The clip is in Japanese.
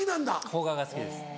邦画が好きです。